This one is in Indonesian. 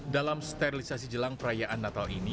dalam sterilisasi jelang perayaan natal ini